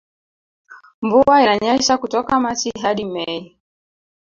Mvua inanyesha kutoka machi hadi mei